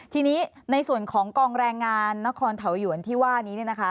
ทีนี้ในส่วนของกองแรงงานนครเถาหยวนที่ว่านี้เนี่ยนะคะ